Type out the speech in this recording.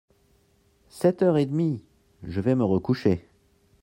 Sept heures et demie !… je vais me recoucher…